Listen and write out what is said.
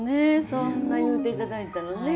そんな言うていただいたらね。